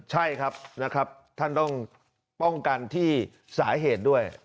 ใช่ครับนะครับท่านต้องป้องกันที่สาเหตุด้วย